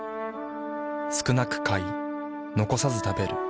少なく買い残さず食べる。